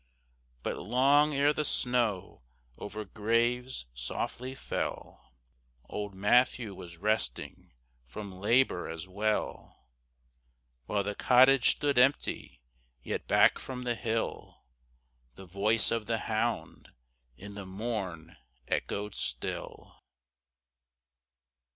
But long ere the snow over graves softly fell, Old Matthew was resting from labor as well; While the cottage stood empty, yet back from the hill The voice of the hound in the morn echoed still.